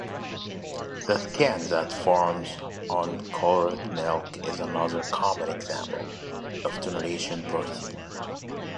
The skin that forms on curdled milk is another common example of denatured protein.